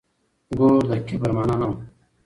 ګور د کبر مانا نه وه.